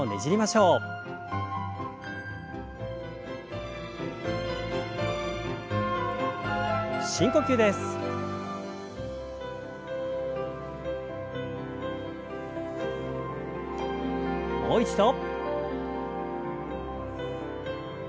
もう一度。